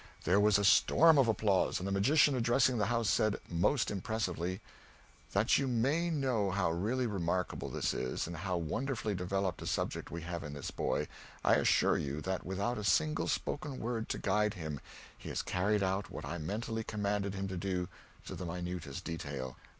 There was a storm of applause, and the magician, addressing the house, said, most impressively "That you may know how really remarkable this is, and how wonderfully developed a subject we have in this boy, I assure you that without a single spoken word to guide him he has carried out what I mentally commanded him to do, to the minutest detail.